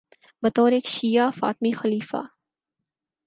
بطور ایک شیعہ فاطمی خلیفہ